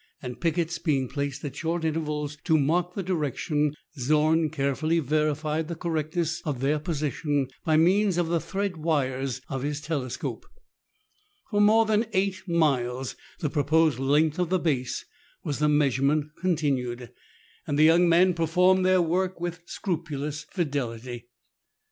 and pickets being placed at short intervals to mark the direction, Zorn carefully verified the correctness of their position by means of the thread wires of his telescope. For more than eight miles (the proposed length of the base) was the measurement continued, and THREE ENGLISHMEN AND THREE RUSSIANS. 6^ the young men performed their work with scrupulous fidelity.